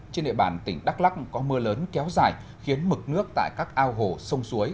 trên địa bàn tỉnh đắk lắc có mưa lớn kéo dài khiến mực nước tại các ao hồ sông suối